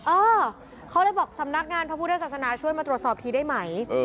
เออเขาเลยบอกสำนักงานพระพุทธศาสนาช่วยมาตรวจสอบทีได้ไหม